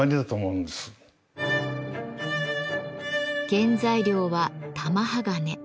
原材料は「玉鋼」。